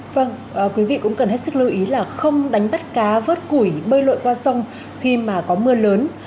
vâng quý vị cũng cần hết sức lưu ý là không đánh bắt cá vớt củi bơi lội qua sông khi mà có mưa lớn